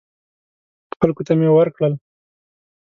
خلکو ته مې ورکړل.